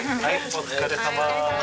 お疲れさま。